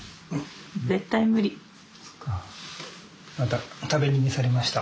また食べ逃げされました。